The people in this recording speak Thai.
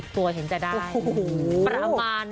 ๒๐ตัวเห็นจะได้